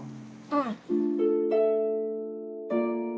うん。